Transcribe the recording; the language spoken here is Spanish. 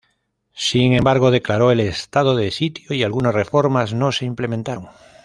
Sin embargo, declaró el estado de sitio y algunas reformas no se implementaron.